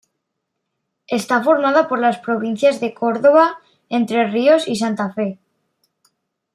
Está formada por las provincias de Córdoba, Entre Ríos y Santa Fe.